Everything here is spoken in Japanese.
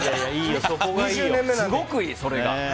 すごくいい、それが。